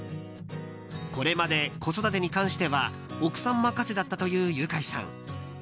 これまで子育てに関しては奥さん任せだったというユカイさん。